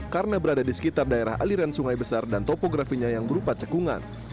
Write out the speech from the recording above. karena berada di sekitar daerah aliran sungai besar dan topografinya yang berupa cekungan